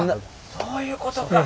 そういうことか。